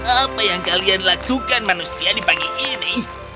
apa yang kalian lakukan manusia di pagi ini